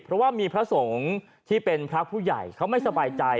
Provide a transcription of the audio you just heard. เพราะว่ามีพระสงฆ์ที่เป็นพระผู้ใหญ่เขาไม่สบายใจ